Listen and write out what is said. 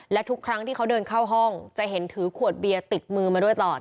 และทุกครั้งที่เขาเดินเข้าห้องจะเห็นถือขวดเบียร์ติดมือมาด้วยตลอด